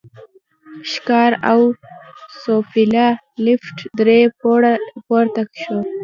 ښکار او سوفله، لېفټ درې پوړه پورته شو.